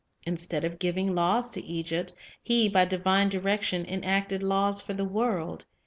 Instead of giving laws to Egypt, he by divine direction enacted laws for the world.